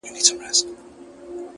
چي ستا به اوس زه هسي ياد هم نه يم-